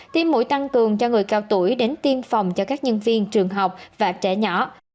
tiêm mũi tăng cường cho người cao tuổi đến tiêm phòng cho các nhân viên trường học và trẻ nhỏ